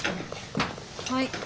はい。